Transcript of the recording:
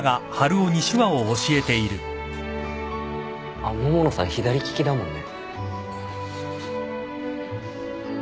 あっ桃野さん左利きだもんね。